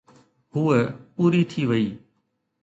هوءَ پوري ٿي وئي.